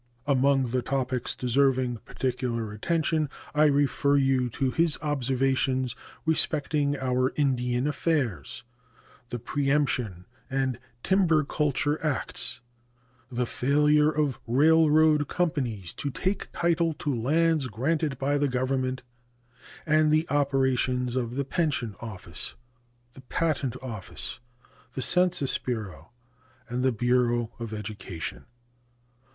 Among the topics deserving particular attention I refer you to his observations respecting our Indian affairs, the preemption and timber culture acts, the failure of railroad companies to take title to lands granted by the Government, and the operations of the Pension Office, the Patent Office, the Census Bureau, and the Bureau of Education.